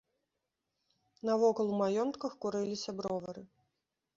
Навокал у маёнтках курыліся бровары.